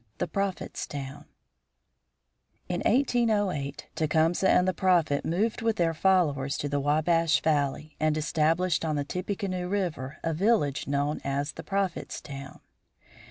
THE PROPHET'S TOWN In 1808 Tecumseh and the Prophet moved with their followers to the Wabash Valley, and established on the Tippecanoe River a village known as the Prophet's Town.